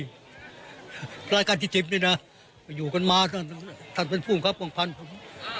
พระราชการทิจิปนี่นะอยู่กันมากับท่านเป็นผู้ข้ามของท่านผม